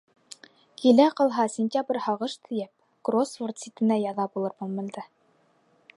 Килә ҡалһа сентябрь һағыш тейәп, Кроссворд ситенә яҙа булыр был мәлдә.